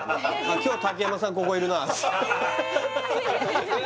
今日竹山さんここいるなってえ！